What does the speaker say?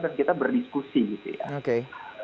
dan kita berdiskusi gitu ya